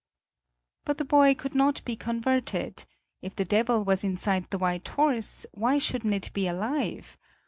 But the boy could not be converted: if the devil was inside the white horse, why shouldn't it be alive?